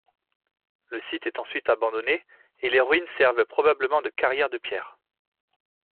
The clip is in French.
Le site est ensuite abandonné et les ruines servent probablement de carrière de pierre.